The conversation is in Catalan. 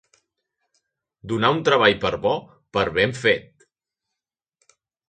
Donar un treball per bo, per ben fet.